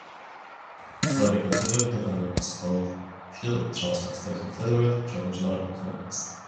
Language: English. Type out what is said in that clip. When the Confederate government was formed, Hill transferred to the Confederate Provisional Congress.